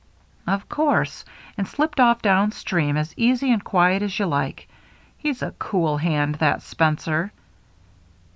" Of course — and slipped off down stream as easy and quiet as you like. He's a cool hand, that Spencer.